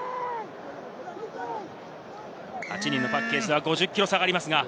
８人のパッケージでは５０ｋｇ差があります。